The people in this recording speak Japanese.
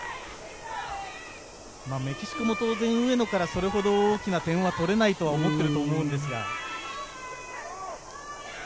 メキシコも当然、上野からそれほど大きな点は取れないと思っていると思うんですが。